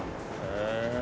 へえ。